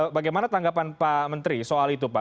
bagaimana tanggapan pak menteri soal itu pak